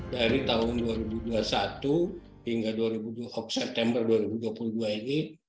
dari tahun dua ribu dua puluh satu hingga september dua ribu dua puluh dua ini